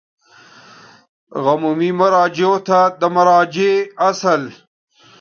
عمومي مراجعو ته د مراجعې اصل